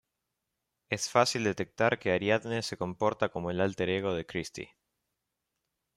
Es fácil detectar que Ariadne se comporta como el alter ego de Christie.